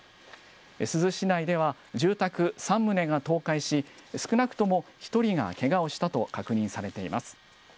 珠洲市内では住宅３棟が倒壊し、少なくとも１人がけがをしたと確認されています。